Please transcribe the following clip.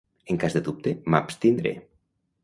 En cas de dubte, m'abstindré.